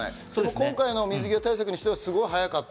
今回の水際対策に関しては早かった。